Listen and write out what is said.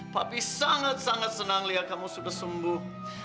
tapi sangat sangat senang lihat kamu sudah sembuh